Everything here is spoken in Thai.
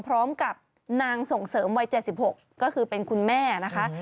พร้อมกับนางส่งเสริมวัย๗๖ก็คือเป็นคุณแม่นะคะ